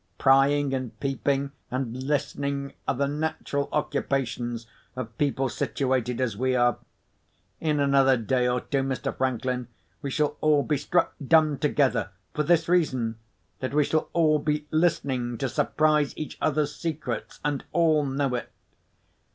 Prying, and peeping, and listening are the natural occupations of people situated as we are. In another day or two, Mr. Franklin, we shall all be struck dumb together—for this reason, that we shall all be listening to surprise each other's secrets, and all know it.